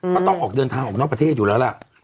ต้องออกเดินทางออกนอกประเทศอยู่แล้วล่ะ